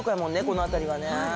この辺りはね。